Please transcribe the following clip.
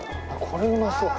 これうまそう。